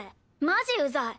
マジうざい！